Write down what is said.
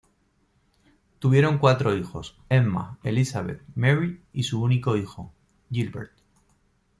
Tuvieron cuatro hijos, Emma, Elizabeth, Mary y su único hijo, Gilbert.